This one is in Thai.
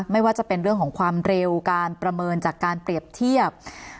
ไม่ว่าจะเป็นเรื่องของความเร็วการประเมินจากการเปรียบเทียบ